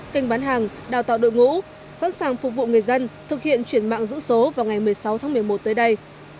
kênh bán hàng đào tạo đội ngũ sẵn sàng phục vụ người dân thực hiện chuyển mạng giữ số vào ngày một mươi sáu tháng một mươi một tới đây